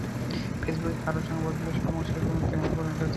ফেসবুকে কারও সঙ্গে বন্ধুত্বের সম্পর্ক শেষ পর্যন্ত প্রেমে পরিণত হতে পারে।